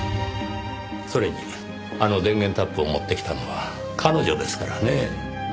それにあの電源タップを持ってきたのは彼女ですからねぇ。